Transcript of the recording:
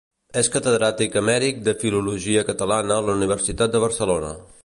És catedràtic emèrit de Filologia Catalana de la Universitat de Barcelona.